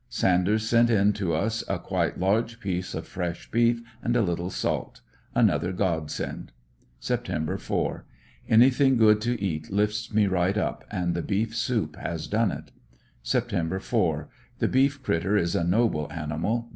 — Sanders sent in to us a quite large piece of fresh beef and a little salt; another God send. Sept. 4.— Anything good to eat lifts me right up, and the beef soup has done it. Sept. 4. — The beef critter is a noble animal.